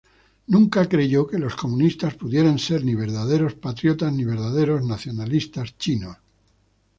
Nunca creyó que los comunistas pudieran ser ni verdaderos patriotas ni verdaderos nacionalistas chinos.